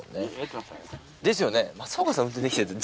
ですよね！